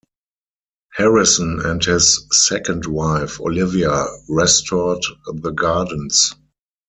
Harrison and his second wife Olivia restored the gardens.